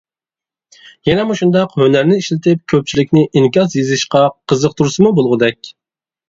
يەنە مۇشۇنداق ھۈنەرنى ئىشلىتىپ كۆپچىلىكنى ئىنكاس يېزىشقا قىزىقتۇرسىمۇ بولغۇدەك.